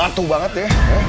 orang batu banget ya